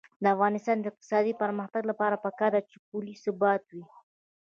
د افغانستان د اقتصادي پرمختګ لپاره پکار ده چې پولي ثبات وي.